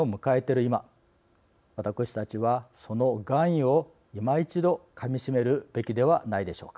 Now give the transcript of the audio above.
今私たちはその含意をいま一度、かみしめるべきではないでしょうか。